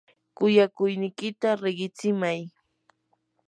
kuyakuynikita riqitsimay.